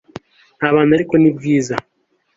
n'abantu ariko ni bwiza